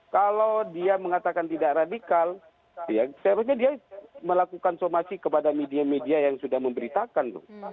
kalau dia mengatakan tidak radikal seharusnya dia melakukan somasi kepada media media yang sudah memberitakan